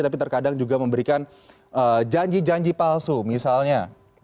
tapi terkadang juga memberikan janji janji palsu misalnya